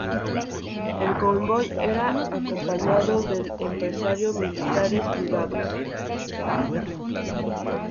El convoy era acompañado de empresarios militares privados.